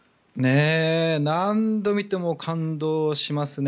何度見ても感動しますね。